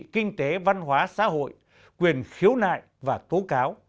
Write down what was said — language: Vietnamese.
kinh tế văn hóa xã hội quyền khiếu nại và tố cáo